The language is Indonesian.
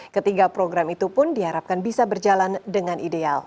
ketiga program itu pun diharapkan bisa berjalan dengan ideal